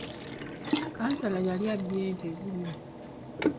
Kansala yali abbye ente ezimu.